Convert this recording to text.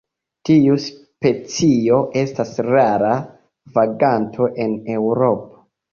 Tiu specio estas rara vaganto en Eŭropo.